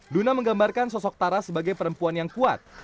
duna menggambarkan sosok tara sebagai perempuan yang kuat